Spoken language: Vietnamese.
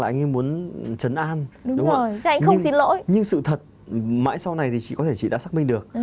nhưng sự thật mãi sau này thì chị có thể đã xác minh được